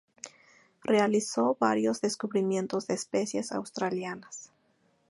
Realizó varios descubrimientos de especies australianas.